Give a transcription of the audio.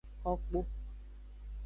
Xo kpo.